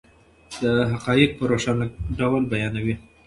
دی حقایق په روښانه ډول بیانوي.